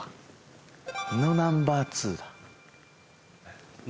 「のナンバー２だ」